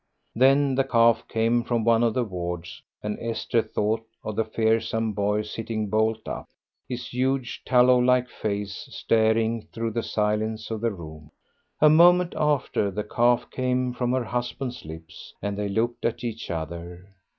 Then the cough came from one of the wards, and Esther thought of the fearsome boy sitting bolt up, his huge tallow like face staring through the silence of the room. A moment after the cough came from her husband's lips, and they looked at each other.